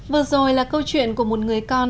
vừa rồi là câu chuyện của một người con